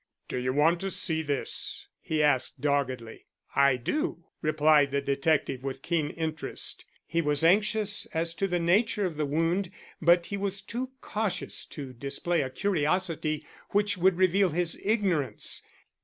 "Do you want to see this?" he asked doggedly. "I do," replied the detective with keen interest. He was anxious as to the nature of the wound, but he was too cautious to display a curiosity which would reveal his ignorance.